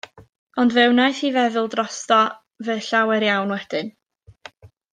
Ond fe wnaeth hi feddwl drosto fe llawer iawn wedyn.